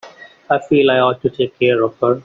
I feel I ought to take care of her.